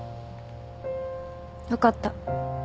分かった。